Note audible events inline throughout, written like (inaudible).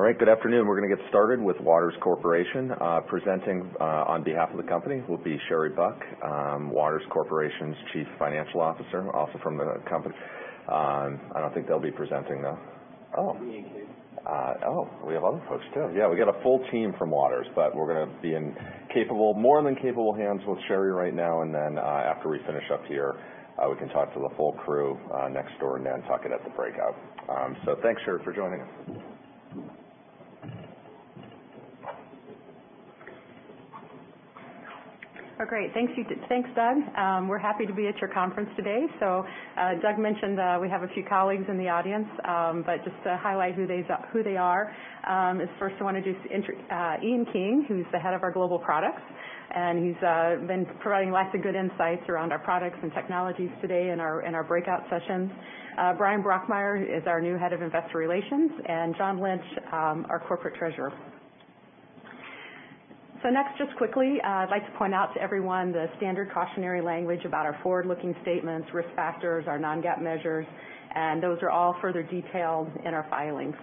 All right, good afternoon. We're going to get started with Waters Corporation. Presenting on behalf of the company will be Sherry Buck, Waters Corporation's Chief Financial Officer, also from the company. I don't think they'll be presenting, though. (audio distortion) Oh, we have other folks too. Yeah, we got a full team from Waters, but we're going to be in more than capable hands with Sherry right now, and then after we finish up here, we can talk to the full crew next door and then talk it at the breakout. So thanks, Sherry, for joining us. Oh, great. Thanks, Doug. We're happy to be at your conference today. So Doug mentioned we have a few colleagues in the audience, but just to highlight who they are, I first want to introduce Ian King, who's the Head of Global Products, and he's been providing lots of good insights around our products and technologies today in our breakout sessions. Bryan Brokmeier is our new Head of Investor Relations, and John Lynch, our Corporate Treasurer. So next, just quickly, I'd like to point out to everyone the standard cautionary language about our forward-looking statements, risk factors, our non-GAAP measures, and those are all further detailed in our filings.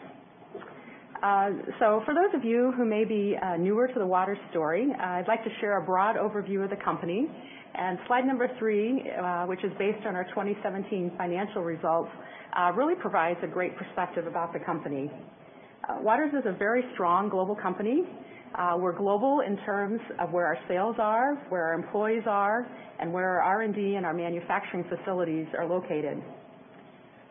So for those of you who may be newer to the Waters story, I'd like to share a broad overview of the company. Slide number three, which is based on our 2017 financial results, really provides a great perspective about the company. Waters is a very strong global company. We're global in terms of where our sales are, where our employees are, and where our R&D and our manufacturing facilities are located.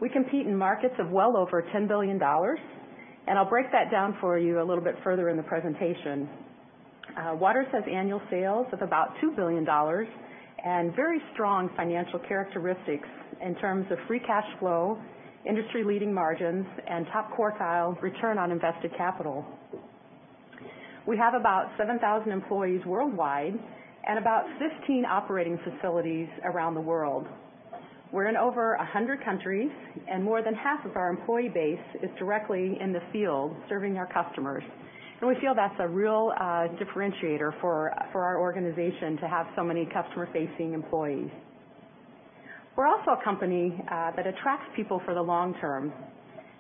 We compete in markets of well over $10 billion, and I'll break that down for you a little bit further in the presentation. Waters has annual sales of about $2 billion and very strong financial characteristics in terms of free cash flow, industry-leading margins, and top quartile return on invested capital. We have about 7,000 employees worldwide and about 15 operating facilities around the world. We're in over 100 countries, and more than half of our employee base is directly in the field serving our customers. We feel that's a real differentiator for our organization to have so many customer-facing employees. We're also a company that attracts people for the long term.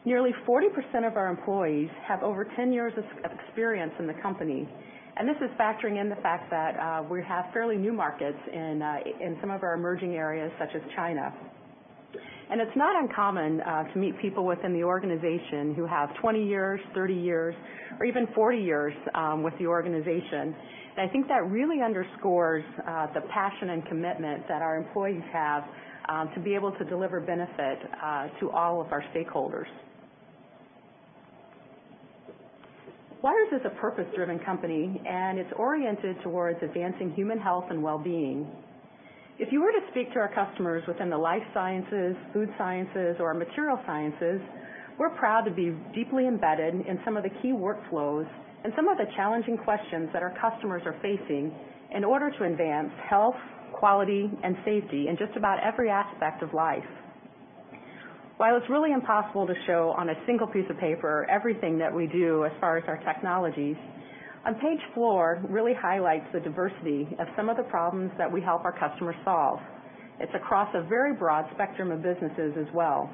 Nearly 40% of our employees have over 10 years of experience in the company, and this is factoring in the fact that we have fairly new markets in some of our emerging areas, such as China. It's not uncommon to meet people within the organization who have 20 years, 30 years, or even 40 years with the organization. I think that really underscores the passion and commitment that our employees have to be able to deliver benefit to all of our stakeholders. Waters is a purpose-driven company, and it's oriented towards advancing human health and well-being. If you were to speak to our customers within the life sciences, food sciences, or material sciences, we're proud to be deeply embedded in some of the key workflows and some of the challenging questions that our customers are facing in order to advance health, quality, and safety in just about every aspect of life. While it's really impossible to show on a single piece of paper everything that we do as far as our technologies, on page four really highlights the diversity of some of the problems that we help our customers solve. It's across a very broad spectrum of businesses as well.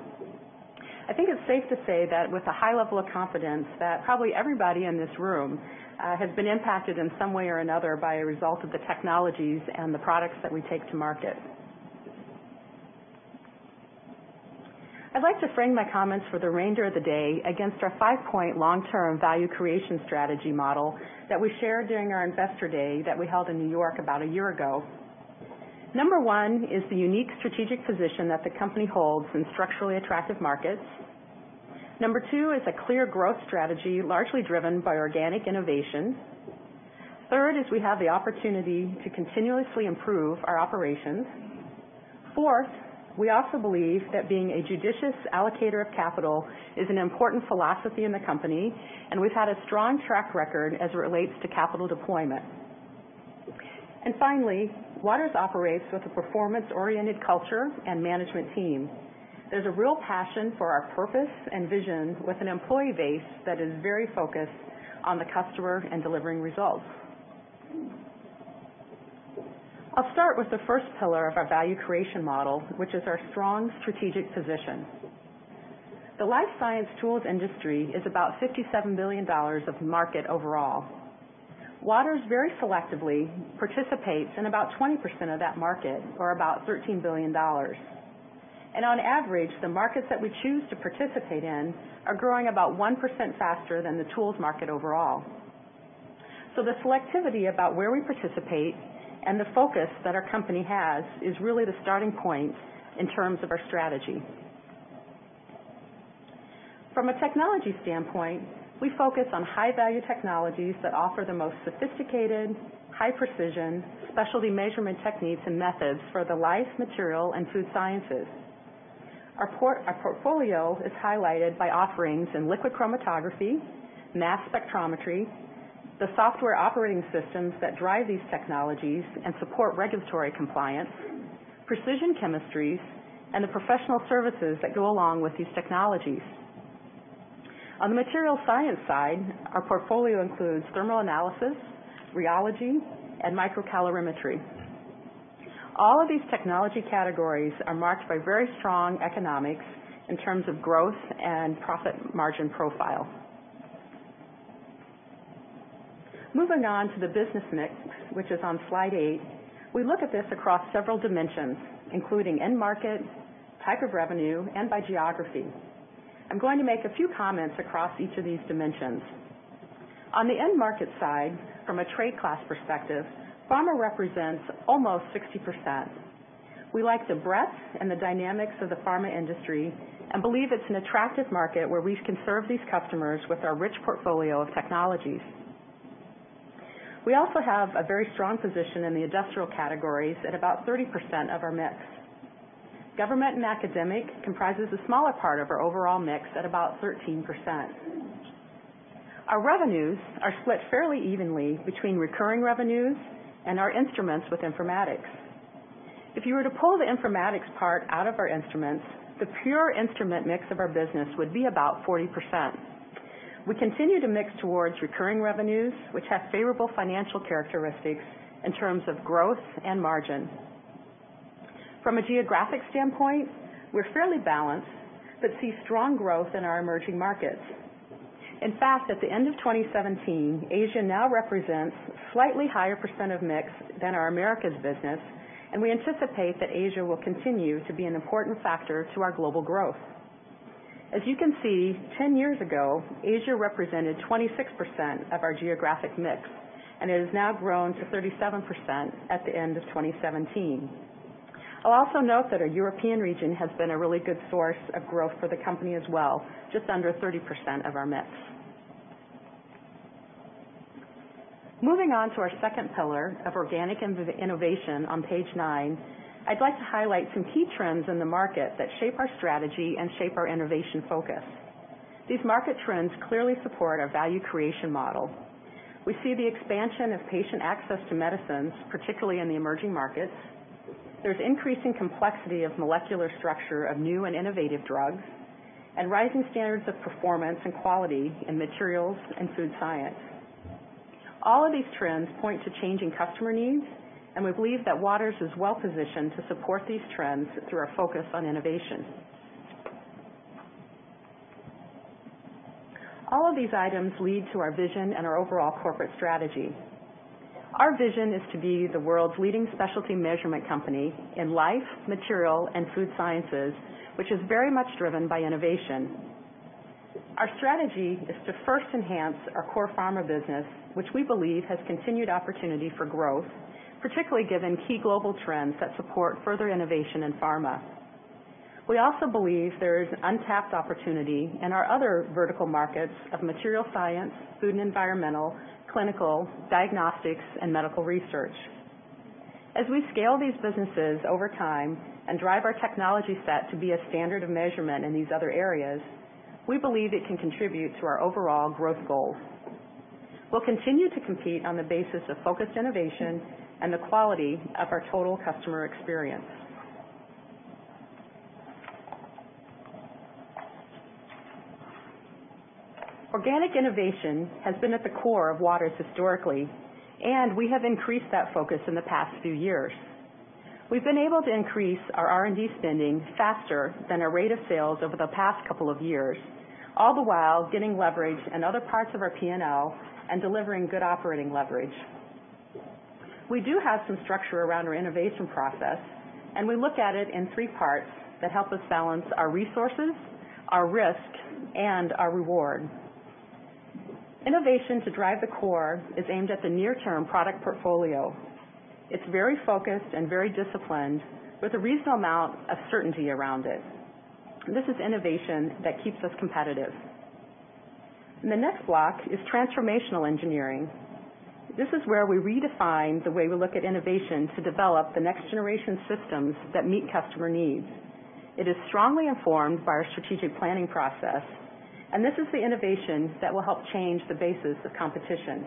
I think it's safe to say that with a high level of confidence that probably everybody in this room has been impacted in some way or another by a result of the technologies and the products that we take to market. I'd like to frame my comments for the remainder of the day against our five-point long-term value creation strategy model that we shared during our Investor Day that we held in New York about a year ago. Number one is the unique strategic position that the company holds in structurally attractive markets. Number two is a clear growth strategy largely driven by organic innovation. Third is we have the opportunity to continuously improve our operations. Fourth, we also believe that being a judicious allocator of capital is an important philosophy in the company, and we've had a strong track record as it relates to capital deployment. And finally, Waters operates with a performance-oriented culture and management team. There's a real passion for our purpose and vision with an employee base that is very focused on the customer and delivering results. I'll start with the first pillar of our value creation model, which is our strong strategic position. The life science tools industry is about $57 billion of market overall. Waters very selectively participates in about 20% of that market, or about $13 billion, and on average, the markets that we choose to participate in are growing about 1% faster than the tools market overall, so the selectivity about where we participate and the focus that our company has is really the starting point in terms of our strategy. From a technology standpoint, we focus on high-value technologies that offer the most sophisticated, high-precision, specialty measurement techniques and methods for the life, material, and food sciences. Our portfolio is highlighted by offerings in liquid chromatography, mass spectrometry, the software operating systems that drive these technologies and support regulatory compliance, precision chemistries, and the professional services that go along with these technologies. On the material science side, our portfolio includes thermal analysis, rheology, and microcalorimetry. All of these technology categories are marked by very strong economics in terms of growth and profit margin profile. Moving on to the business mix, which is on slide eight, we look at this across several dimensions, including end market, type of revenue, and by geography. I'm going to make a few comments across each of these dimensions. On the end market side, from a trade class perspective, pharma represents almost 60%. We like the breadth and the dynamics of the pharma industry and believe it's an attractive market where we can serve these customers with our rich portfolio of technologies. We also have a very strong position in the industrial categories at about 30% of our mix. Government and academic comprises a smaller part of our overall mix at about 13%. Our revenues are split fairly evenly between recurring revenues and our instruments with informatics. If you were to pull the informatics part out of our instruments, the pure instrument mix of our business would be about 40%. We continue to mix towards recurring revenues, which have favorable financial characteristics in terms of growth and margin. From a geographic standpoint, we're fairly balanced but see strong growth in our emerging markets. In fact, at the end of 2017, Asia now represents a slightly higher percent of mix than our Americas business, and we anticipate that Asia will continue to be an important factor to our global growth. As you can see, 10 years ago, Asia represented 26% of our geographic mix, and it has now grown to 37% at the end of 2017. I'll also note that our European region has been a really good source of growth for the company as well, just under 30% of our mix. Moving on to our second pillar of organic innovation on page nine, I'd like to highlight some key trends in the market that shape our strategy and shape our innovation focus. These market trends clearly support our value creation model. We see the expansion of patient access to medicines, particularly in the emerging markets. There's increasing complexity of molecular structure of new and innovative drugs and rising standards of performance and quality in materials and food science. All of these trends point to changing customer needs, and we believe that Waters is well-positioned to support these trends through our focus on innovation. All of these items lead to our vision and our overall corporate strategy. Our vision is to be the world's leading specialty measurement company in life, material, and food sciences, which is very much driven by innovation. Our strategy is to first enhance our core pharma business, which we believe has continued opportunity for growth, particularly given key global trends that support further innovation in pharma. We also believe there is untapped opportunity in our other vertical markets of material science, food and environmental, clinical, diagnostics, and medical research. As we scale these businesses over time and drive our technology set to be a standard of measurement in these other areas, we believe it can contribute to our overall growth goals. We'll continue to compete on the basis of focused innovation and the quality of our total customer experience. Organic innovation has been at the core of Waters historically, and we have increased that focus in the past few years. We've been able to increase our R&D spending faster than our rate of sales over the past couple of years, all the while getting leverage in other parts of our P&L and delivering good operating leverage. We do have some structure around our innovation process, and we look at it in three parts that help us balance our resources, our risk, and our reward. Innovation to drive the core is aimed at the near-term product portfolio. It's very focused and very disciplined, with a reasonable amount of certainty around it. This is innovation that keeps us competitive. The next block is transformational engineering. This is where we redefine the way we look at innovation to develop the next-generation systems that meet customer needs. It is strongly informed by our strategic planning process, and this is the innovation that will help change the basis of competition.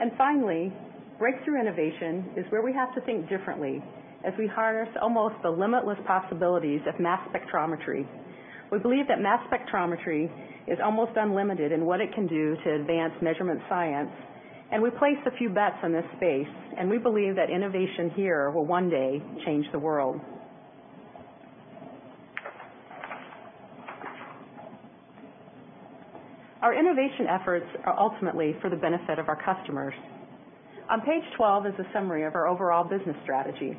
And finally, breakthrough innovation is where we have to think differently as we harness almost the limitless possibilities of mass spectrometry. We believe that mass spectrometry is almost unlimited in what it can do to advance measurement science, and we place a few bets in this space, and we believe that innovation here will one day change the world. Our innovation efforts are ultimately for the benefit of our customers. On page 12 is a summary of our overall business strategy.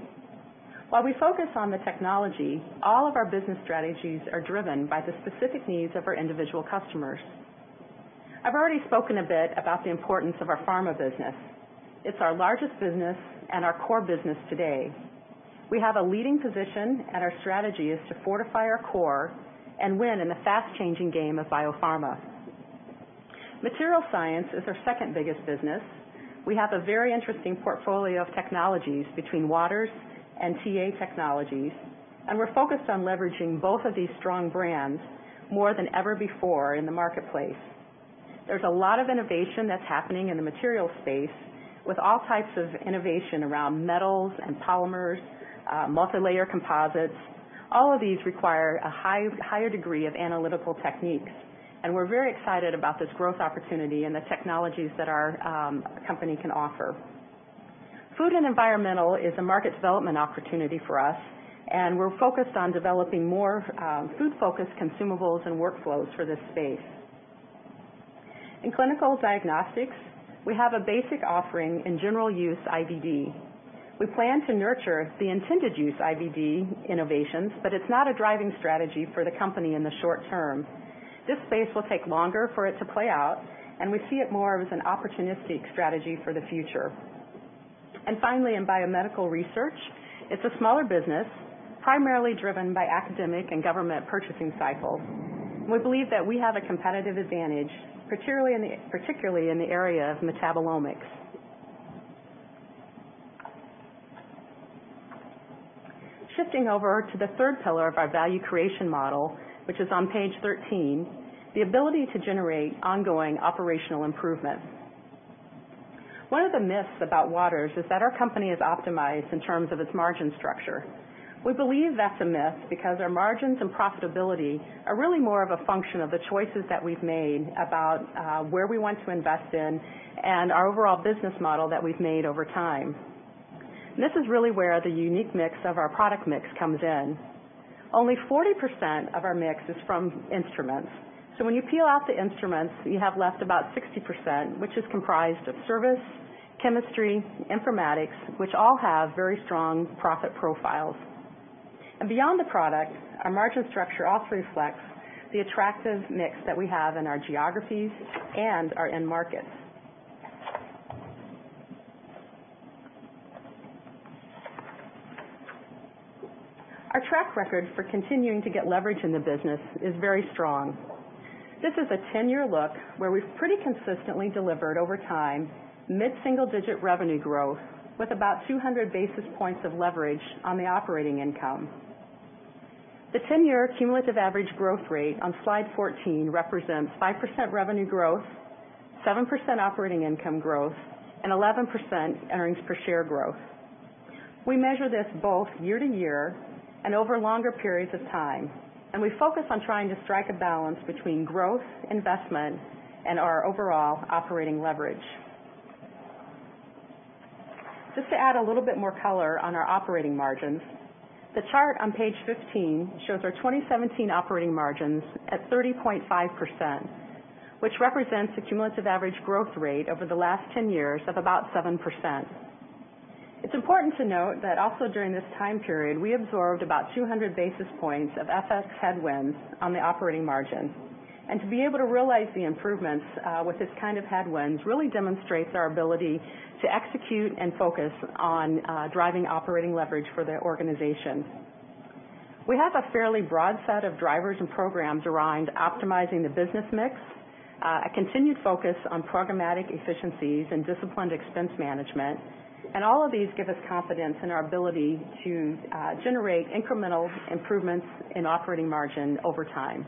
While we focus on the technology, all of our business strategies are driven by the specific needs of our individual customers. I've already spoken a bit about the importance of our pharma business. It's our largest business and our core business today. We have a leading position, and our strategy is to fortify our core and win in the fast-changing game of biopharma. Material science is our second biggest business. We have a very interesting portfolio of technologies between Waters and TA Technologies, and we're focused on leveraging both of these strong brands more than ever before in the marketplace. There's a lot of innovation that's happening in the materials space, with all types of innovation around metals and polymers, multilayer composites. All of these require a higher degree of analytical techniques, and we're very excited about this growth opportunity and the technologies that our company can offer. Food and environmental is a market development opportunity for us, and we're focused on developing more food-focused consumables and workflows for this space. In clinical diagnostics, we have a basic offering in general use IVD. We plan to nurture the intended use IVD innovations, but it's not a driving strategy for the company in the short term. This space will take longer for it to play out, and we see it more as an opportunistic strategy for the future. And finally, in biomedical research, it's a smaller business, primarily driven by academic and government purchasing cycles. We believe that we have a competitive advantage, particularly in the area of metabolomics. Shifting over to the third pillar of our value creation model, which is on page 13, the ability to generate ongoing operational improvement. One of the myths about Waters is that our company is optimized in terms of its margin structure. We believe that's a myth because our margins and profitability are really more of a function of the choices that we've made about where we want to invest in and our overall business model that we've made over time. This is really where the unique mix of our product mix comes in. Only 40% of our mix is from instruments. So when you peel out the instruments, you have left about 60%, which is comprised of service, chemistry, informatics, which all have very strong profit profiles. And beyond the product, our margin structure also reflects the attractive mix that we have in our geographies and our end markets. Our track record for continuing to get leverage in the business is very strong. This is a 10-year look where we've pretty consistently delivered over time mid-single-digit revenue growth with about 200 basis points of leverage on the operating income. The 10-year cumulative average growth rate on slide 14 represents 5% revenue growth, 7% operating income growth, and 11% earnings per share growth. We measure this both year to year and over longer periods of time, and we focus on trying to strike a balance between growth, investment, and our overall operating leverage. Just to add a little bit more color on our operating margins, the chart on page 15 shows our 2017 operating margins at 30.5%, which represents the cumulative average growth rate over the last 10 years of about 7%. It's important to note that also during this time period, we absorbed about 200 basis points of FX headwinds on the operating margin, and to be able to realize the improvements with this kind of headwinds really demonstrates our ability to execute and focus on driving operating leverage for the organization. We have a fairly broad set of drivers and programs around optimizing the business mix, a continued focus on programmatic efficiencies and disciplined expense management, and all of these give us confidence in our ability to generate incremental improvements in operating margin over time.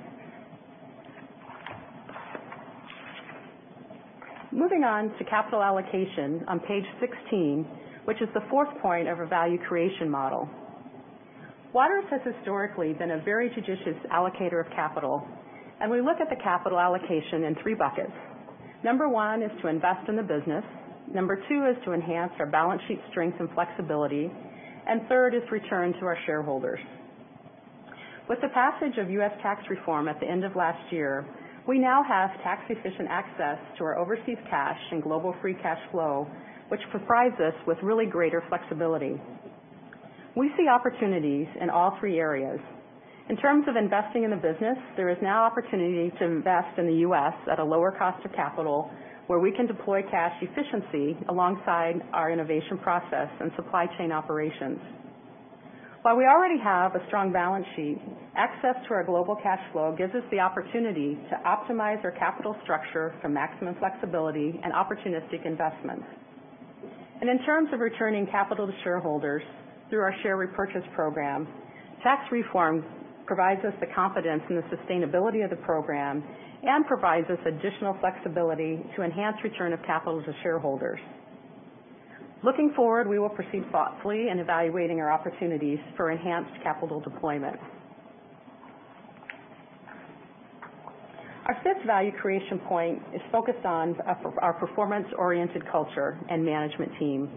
Moving on to capital allocation on page 16, which is the fourth point of our value creation model. Waters has historically been a very judicious allocator of capital, and we look at the capital allocation in three buckets. Number one is to invest in the business. Number two is to enhance our balance sheet strength and flexibility, and third is return to our shareholders. With the passage of U.S. tax reform at the end of last year, we now have tax-efficient access to our overseas cash and global free cash flow, which provides us with really greater flexibility. We see opportunities in all three areas. In terms of investing in the business, there is now opportunity to invest in the U.S. at a lower cost of capital, where we can deploy cash efficiency alongside our innovation process and supply chain operations. While we already have a strong balance sheet, access to our global cash flow gives us the opportunity to optimize our capital structure for maximum flexibility and opportunistic investments, and in terms of returning capital to shareholders through our share repurchase program, tax reform provides us the confidence in the sustainability of the program and provides us additional flexibility to enhance return of capital to shareholders. Looking forward, we will proceed thoughtfully in evaluating our opportunities for enhanced capital deployment. Our fifth value creation point is focused on our performance-oriented culture and management team.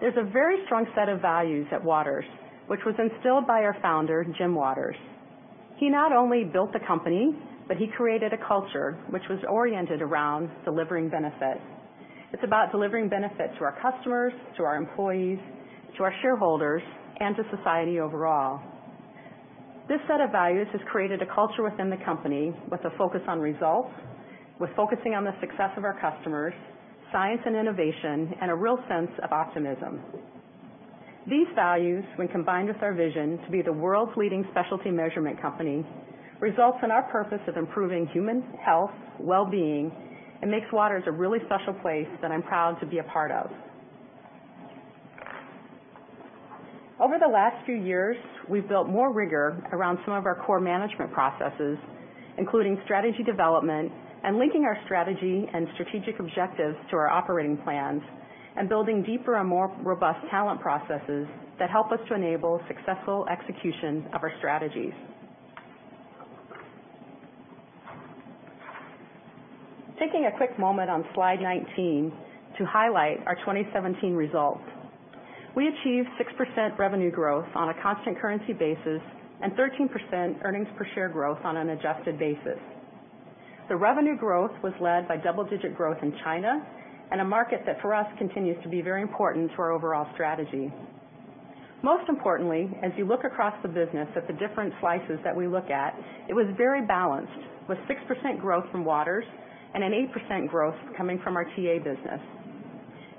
There's a very strong set of values at Waters, which was instilled by our founder, Jim Waters. He not only built the company, but he created a culture which was oriented around delivering benefit. It's about delivering benefit to our customers, to our employees, to our shareholders, and to society overall. This set of values has created a culture within the company with a focus on results, with focusing on the success of our customers, science and innovation, and a real sense of optimism. These values, when combined with our vision to be the world's leading specialty measurement company, results in our purpose of improving human health, well-being, and makes Waters a really special place that I'm proud to be a part of. Over the last few years, we've built more rigor around some of our core management processes, including strategy development and linking our strategy and strategic objectives to our operating plans and building deeper and more robust talent processes that help us to enable successful execution of our strategies. Taking a quick moment on slide 19 to highlight our 2017 results. We achieved 6% revenue growth on a constant currency basis and 13% earnings per share growth on an adjusted basis. The revenue growth was led by double-digit growth in China and a market that for us continues to be very important to our overall strategy. Most importantly, as you look across the business at the different slices that we look at, it was very balanced with 6% growth from Waters and an 8% growth coming from our TA business.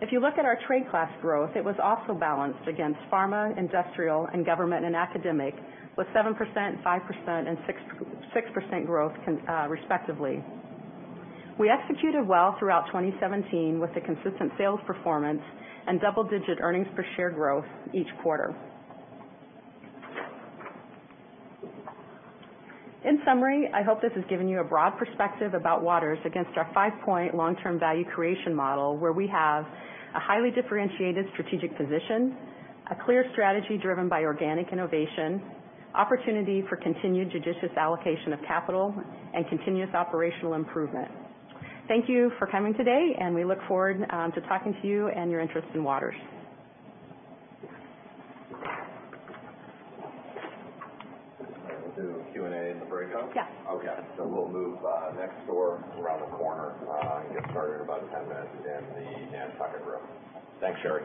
If you look at our trade class growth, it was also balanced across pharma, industrial, and government and academic with 7%, 5%, and 6% growth respectively. We executed well throughout 2017 with a consistent sales performance and double-digit earnings per share growth each quarter. In summary, I hope this has given you a broad perspective about Waters against our five-point long-term value creation model, where we have a highly differentiated strategic position, a clear strategy driven by organic innovation, opportunity for continued judicious allocation of capital, and continuous operational improvement. Thank you for coming today, and we look forward to talking to you and your interest in Waters. Do Q&A in the breakout? Yes. Okay. So we'll move next door around the corner and get started in about 10 minutes in the Nantucket Room. Thanks, Sherry.